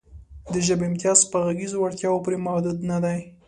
د ژبې امتیاز په غږیزو وړتیاوو پورې محدود نهدی.